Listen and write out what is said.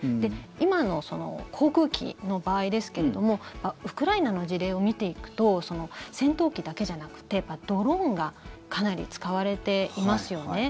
今の航空機の場合ですけれどもウクライナの事例を見ていくと戦闘機だけじゃなくてドローンがかなり使われていますよね。